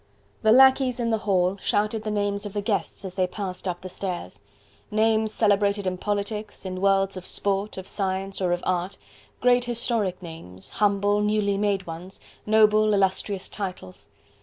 The lacqueys in the hall shouted the names of the guests as they passed up the stairs: names celebrated in politics, in worlds of sport, of science or of art, great historic names, humble, newly made ones, noble illustrious titles.